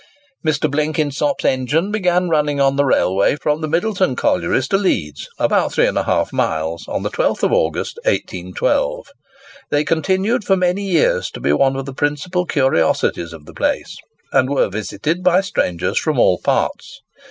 Mr. Blenkinsop's engines began running on the railway from the Middleton Collieries to Leeds, about 3½ miles, on the 12th of August, 1812. They continued for many years to be one of the principal curiosities of the place, and were visited by strangers from all parts.